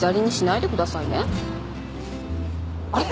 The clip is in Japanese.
あれ？